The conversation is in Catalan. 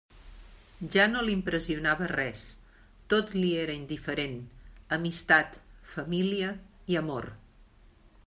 Ja no l'impressionava res; tot li era indiferent: amistat, família i amor.